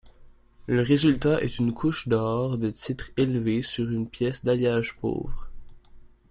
Le résultat est une couche d'or de titre élevé sur une pièce d'alliage pauvre.